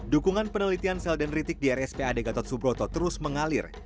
dukungan penelitian sel dendritik di rspad gatot subroto terus mengalir